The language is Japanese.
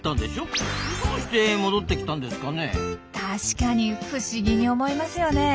確かに不思議に思いますよね。